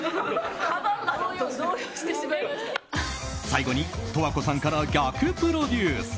最後に十和子さんから逆プロデュース。